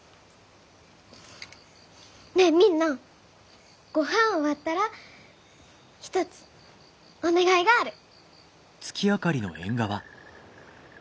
ねえみんなごはん終わったら一つお願いがある！